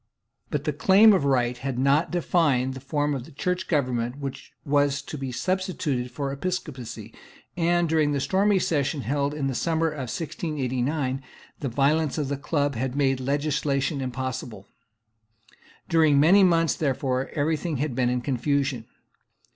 But the Claim of Right had not defined the form of Church government which was to be substituted for episcopacy; and, during the stormy Session held in the summer of 1689, the violence of the Club had made legislation impossible. During many months therefore every thing had been in confusion.